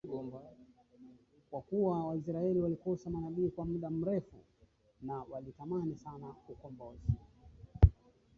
Kwa kuwa Waisraeli walikosa manabii kwa muda mrefu na walitamani sana ukombozi